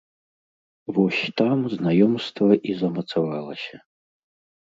Вось там знаёмства і замацавалася.